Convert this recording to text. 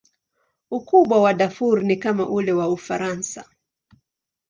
Ukubwa wa Darfur ni kama ule wa Ufaransa.